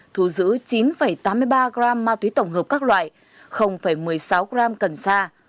thu giữ chín tám mươi ba gram ma túy tổng hợp các loại một mươi sáu g cần sa